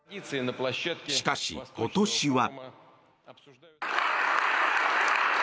しかし、今年は。